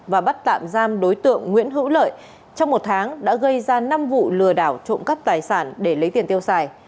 và bắt tạm giam đối tượng nguyễn hữu lợi trong một tháng đã gây ra năm vụ lừa đảo trộm cắp tài sản để lấy tiền tiêu xài